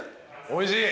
おいしい！